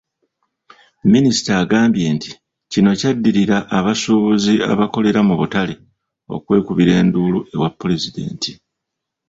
Minisita agambye nti kino kyaddirira abasuubuzi abakolera mu butale okwekubira enduulu ewa Pulezidenti.